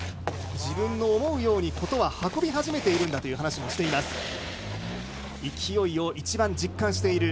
自分の思うようにことは運び始めているんだという話もしています。